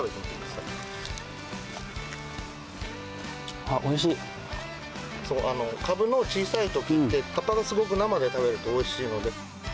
かぶの小さいときって、葉っぱがすごく生で食べるとおいしいので。